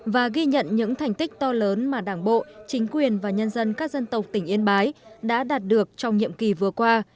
và ghi nhận những thành tích to lớn mà đảng bộ chính quyền và nhân dân các dân tộc tỉnh yên bái đã đạt được trong nhiệm kỳ vừa qua